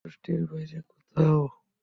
ওয়েস্টের বাইরে কোথাও।